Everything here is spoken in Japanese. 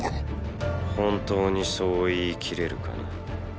本当にそう言い切れるかな。